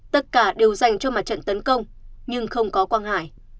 tất cả đều dành cho mặt trận tấn công nhưng không có quang hải